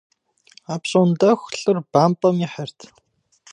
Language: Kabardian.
Апщӏондэху лӏыр бампӏэм ихьырт.